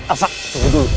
elsa tunggu dulu